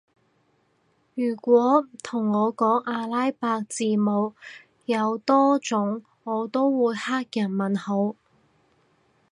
如果同我講阿拉伯字母有好多種我都會黑人問號